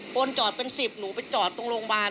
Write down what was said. คนจอดเป็น๑๐หนูไปจอดตรงโรงพยาบาล